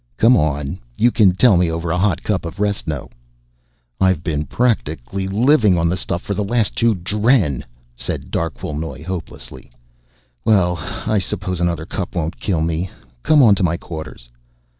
"Come on, you can tell me over a hot cup of restno." "I've been practically living on the stuff for the last two dren," said Darquelnoy hopelessly. "Well, I suppose another cup won't kill me. Come on to my quarters."